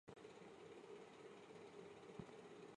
蒙特龙勒沙托。